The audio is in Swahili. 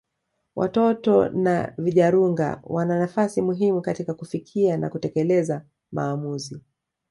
Watoto na vijarunga wana nafasi muhimu katika kufikia na kutekeleza maamuzi